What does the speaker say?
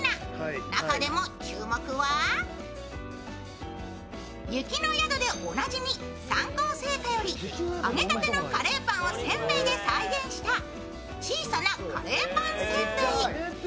中でも注目は雪の宿でおなじみ、三幸製菓より揚げたてのカレーパンをせんべいで再現したちいさなカレーパンせんべい。